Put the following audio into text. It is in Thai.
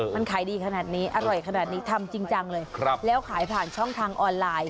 มันขายดีขนาดนี้อร่อยขนาดนี้ทำจริงจังเลยแล้วขายผ่านช่องทางออนไลน์